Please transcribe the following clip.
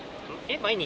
毎日？